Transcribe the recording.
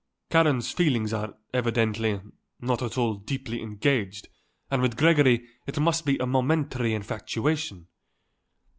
Karen's feelings are, evidently, not at all deeply engaged and with Gregory it must be a momentary infatuation.